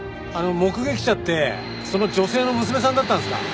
あの目撃者ってその女性の娘さんだったんですか？